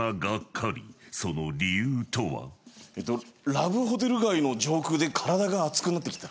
ラブホテル街の上空で体があつくなってきた。